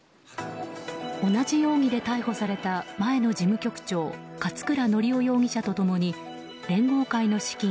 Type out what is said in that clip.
同じ容疑で逮捕された前の事務局長勝倉教雄容疑者と共に連合会の資金